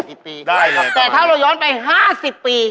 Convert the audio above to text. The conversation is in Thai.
ได้เลยฝ่าค่ะแต่ถ้าเราย้อนไป๕๐ปี